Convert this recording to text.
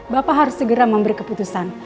bapak harus segera memberi keputusan